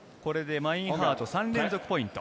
マインハート、３連続ポイント。